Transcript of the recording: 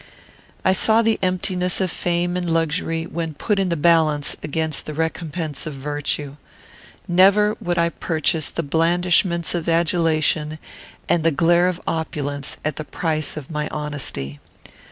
I saw the emptiness of fame and luxury, when put in the balance against the recompense of virtue. Never would I purchase the blandishments of adulation and the glare of opulence at the price of my honesty.